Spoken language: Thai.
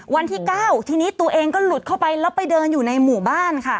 วันที่๙ทีนี้ตัวเองก็หลุดเข้าไปแล้วไปเดินอยู่ในหมู่บ้านค่ะ